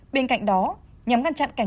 bên cạnh đó nhằm ngăn chặn cảnh